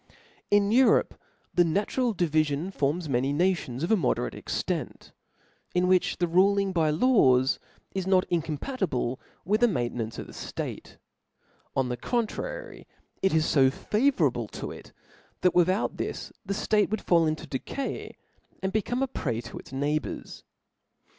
In Europe the iiatitral divifion forms many na* tions of a moderate emdnt, in which the ruling by la^s is not incompatible with the matote* nance of c4^e ftate : on the contriry, it is fe fatrour^^ able to it, chat without this^ the fbte would fall in^ to decay^ and become a prey to its neighbours.